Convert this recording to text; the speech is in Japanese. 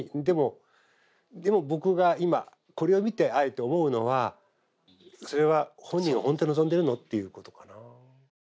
でもでも僕が今これを見てあえて思うのはそれは本人が本当に望んでるのっていうことかな。